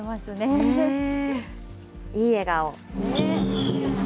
いい笑顔。